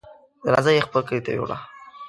جنازه يې خپل کلي ته يووړه.